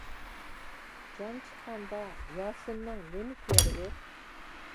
جان چىققاندا ياسىننىڭ نېمە كېرىكى.